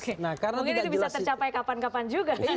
mungkin itu bisa tercapai kapan kapan juga